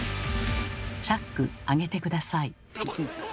チャック上げて下さい。